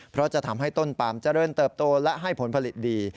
เพราะจะทำให้ต้นปามเจริญเติบโตและให้ผลผลิตดี